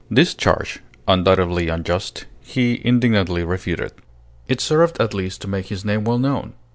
This charge, undoubtedly unjust, he indignantly refuted. It served at least to make his name well known.